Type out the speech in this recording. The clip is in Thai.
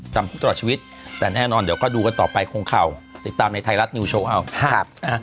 จำคุกตลอดชีวิตแต่แน่นอนเดี๋ยวก็ดูกันต่อไปคงเข่าติดตามในไทยรัฐนิวโชว์เอา